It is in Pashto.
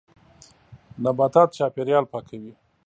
نباتات چاپېریال پاکوي.